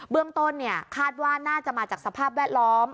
เรื่องต้นคาดว่าน่าจะมาจากสภาพแวดล้อม